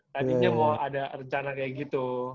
tadinya mau ada rencana kayak gitu